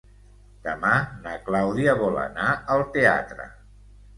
Demà na Clàudia vol anar al teatre.